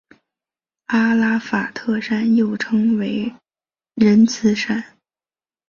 阿拉法特山又称为仁慈山。